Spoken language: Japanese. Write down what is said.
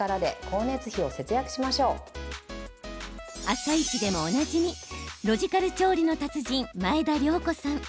「あさイチ」でもおなじみロジカル調理の達人前田量子さん。